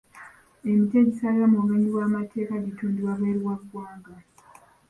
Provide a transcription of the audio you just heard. Emiti egisalibwa mu bumenyi bw'amateeka gitundibwa bweru wa ggwanga.